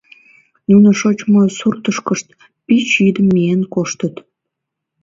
Нуно шочмо суртышкышт пич йӱдым миен коштыт.